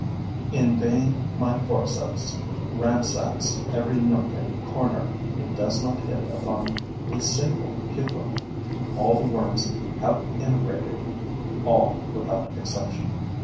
In vain my forceps ransacks every nook and corner: it does not hit upon a single pupa. All the worms have emigrated, all, without exception.